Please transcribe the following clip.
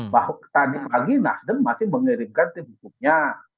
bahwa tadi pagi nasdem masih mengirimkan tim hukumnya